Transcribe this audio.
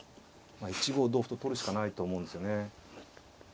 まあ１五同歩と取るしかないと思うんですよね。